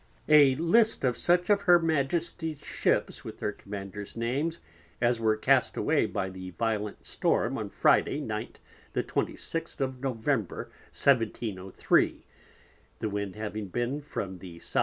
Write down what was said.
A LIST of such of Her Majesty's Ships, with their Commanders Names, as were cast away by the Violent Storm on Friday Night the 26_th of_ November 1703. the Wind having been from the S.W.